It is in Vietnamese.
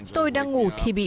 tôi đang ngủ thì bị bản đồ